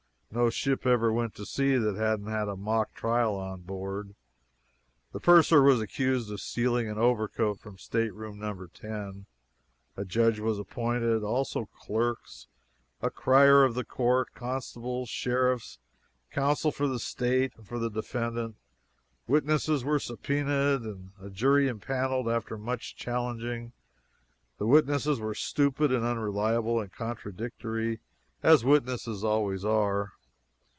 No ship ever went to sea that hadn't a mock trial on board. The purser was accused of stealing an overcoat from stateroom No. 10. A judge was appointed; also clerks, a crier of the court, constables, sheriffs; counsel for the State and for the defendant; witnesses were subpoenaed, and a jury empaneled after much challenging. The witnesses were stupid and unreliable and contradictory, as witnesses always are.